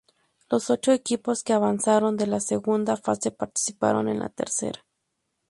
Los ocho equipos que avanzaron de la segunda fase participaron en la tercera.